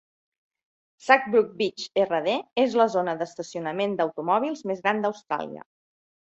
Sacbrough Beach Rd és la zona d'estacionament d'automòbils més gran d'Austràlia.